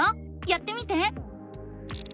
やってみて！